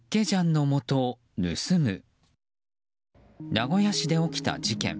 名古屋市で起きた事件。